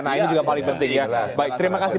nah ini juga paling penting terima kasih